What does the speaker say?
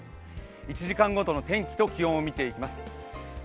１時間ごとの天気と気温を見ていきます。